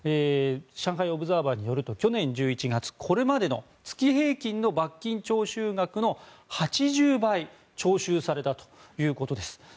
上海オブザーバーによりますと去年１１月、これまでの月平均の罰金徴収額の８０倍徴収されたということです。